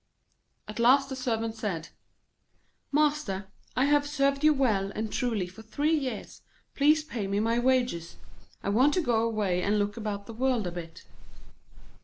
At last the Servant said: 'Master, I have served you well and truly for three years; please pay me my wages. I want to go away and look about the world a bit.'